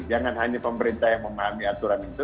jangan hanya pemerintah yang memahami aturan itu